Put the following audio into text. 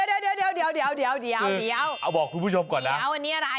โอ้โหเดี๋ยวเอาบอกคุณผู้ชมก่อนนะเดี๋ยวอันนี้อะไรฮะ